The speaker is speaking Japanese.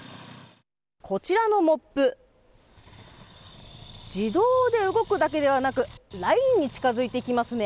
こちらのモップ自動で動くだけではなくラインに近づいていきますね。